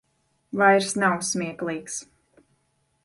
Vairs nav smieklīgs.